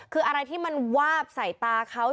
คืออะไรที่มันวาบใส่ตาเขา